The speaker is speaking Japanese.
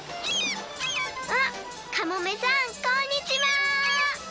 あっかもめさんこんにちは！